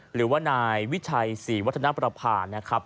หรือว่านายวิชัยศรีวัฒนประพานะครับ